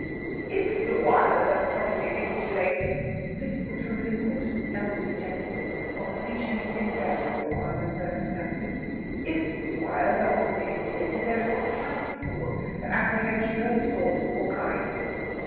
"If the wires are properly insulated" this was from an important elderly gentleman, of a species invariable under the circumstances "if the wires are properly insulated, there is not the slightest cause for apprehension of any sort or kind."